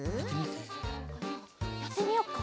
やってみよっか。